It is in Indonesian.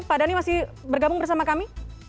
pak dhani masih bergabung bersama kami